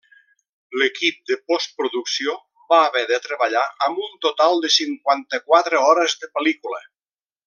L'equip de postproducció va haver de treballar amb un total de cinquanta-quatre hores de pel·lícula.